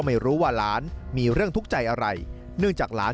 ไม่พูดเรียกยังไม่พูดเลย